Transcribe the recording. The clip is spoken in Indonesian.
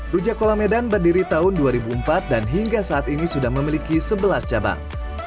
rujak kolamedan berdiri tahun dua ribu empat dan hingga saat ini sudah memiliki sebelas cabang